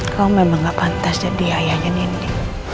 kau memang gak pantas jadi ayahnya nenek